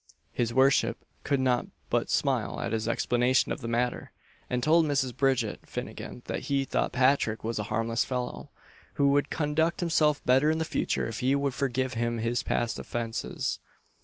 His worship could not but smile at this explanation of the matter, and told Mrs. Bridget Finnagen that he thought Patrick was a harmless fellow, who would conduct himself better in future if she would forgive him his past offences.